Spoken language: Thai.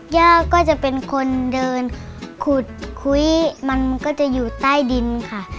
ย่าก็จะเป็นคนเดินขุดคุยมันมันก็จะอยู่ใต้ดินค่ะ